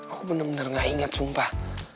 aku bener bener gak ingat sumpah